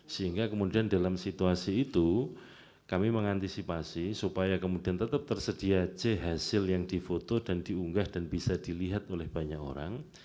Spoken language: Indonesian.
sehingga kemudian dalam situasi itu kami mengantisipasi supaya kemudian tetap tersedia c hasil yang difoto dan diunggah dan bisa dilihat oleh banyak orang